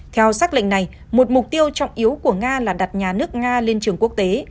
theo xác lệnh này một mục tiêu trọng yếu của nga là đặt nhà nước nga lên trường quốc tế